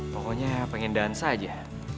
pokoknya pengen dansa aja